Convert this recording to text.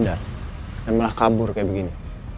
dan malah kabur kayak begini